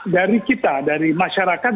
dari kita dari masyarakat